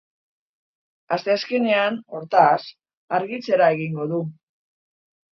Asteazkenean, hortaz, argitzera egingo du.